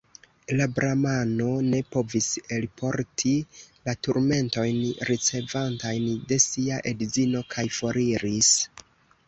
La bramano ne povis elporti la turmentojn, ricevatajn de sia edzino, kaj foriris.